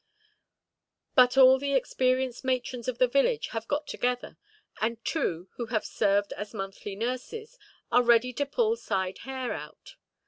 But all the experienced matrons of the village have got together; and two, who have served as monthly nurses, are ready to pull side–hair out.